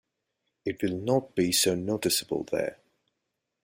It will not be so noticeable there.